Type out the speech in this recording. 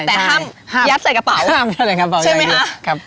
แต่ห้ามยัดใส่กระเป๋าห้ามยัดใส่กระเป๋าใช่ไหมฮะครับ